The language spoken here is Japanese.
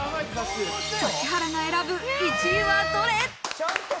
指原が選ぶ１位はどれ？